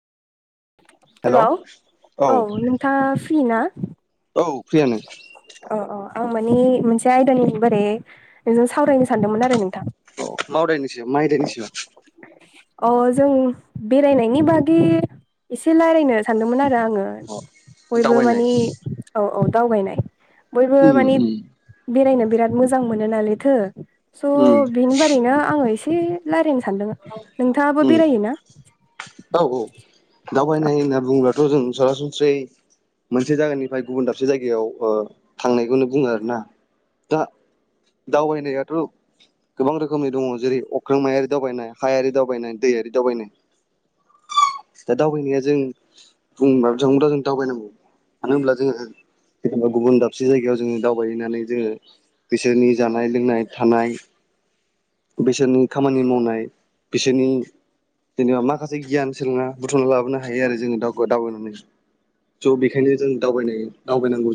हेल' hello औ औ नोंथाङा फ्रि ना? औ फ्रियानो अ अ आं माने मोनसे आयदानि बारै नोंजों सावरायनो सानदोंमोन आरो नोंथां मावदायनायनि सायाव मा आयदानि सायाव? अ जों बेरायनायनि बागे एसे रायलायनो सानदोंमोन आरो आङो अ बयबो दावबायनाय मानि औ औ दावबायनाय बयबो उम माने उम बेरायनो बिराद मोजां मोनो नालाय थो स' उम बिनि बारैनो आङो एसे रायलायनो सानदों नोंथाङाबो उम बेरायोना? औ औ दावबायनाय होनना बुंब्लाथ' जों सरासनस्रायै मोनसे जायगानिफ्राय गुबुन दाबसे जायगायाव थांनायखौनो बुङो आरो ना दा दावबायनायाथ' गोबां रोखोमनि दङ जेरै अख्रांमायारि दावबायनाय हायारि दावबायनाय दैयारि दावबायनाय दा दावबायनाया जों बुंबाथजों दावबायनांगौ मानो होनब्ला जोङो जेनेबा गुबुन दाबसे जायगायाव जोङो दावबायहैनानै जोङो बिसोरनि जानाय लोंनाय थानाय बिसोरनि खामानि मावनाय बिसोरनि जेनेबा माखासे गियान सोलोंना बुथुमना लाबोनो हायो आरो जोंङो दावगो दावबायनायनि स' बेखायनो जों दावबाय दावबायनांगौ